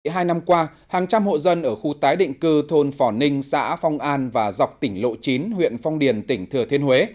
hai năm qua hàng trăm hộ dân ở khu tái định cư thôn phỏ ninh xã phong an và dọc tỉnh lộ chín huyện phong điền tỉnh thừa thiên huế